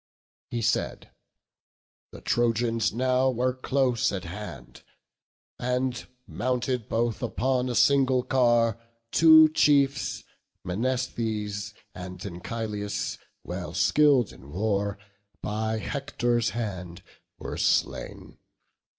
He said; the Trojans now were close at hand, And, mounted both upon a single car, Two chiefs, Menesthes and Anchialus, Well skill'd in war, by Hector's hand were slain.